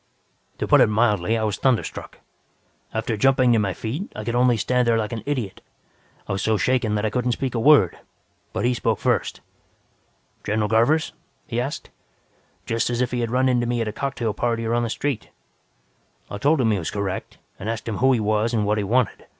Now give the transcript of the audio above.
"To put it mildly, I was thunderstruck. After jumping to my feet, I could only stand there like an idiot. I was so shaken that I couldn't speak a word. But he spoke first. "'General Garvers?' he asked, just as if he had run into me at a cocktail party or on the street. "I told him he was correct, and asked him who he was and what he wanted.